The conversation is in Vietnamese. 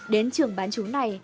đến trường bán chú này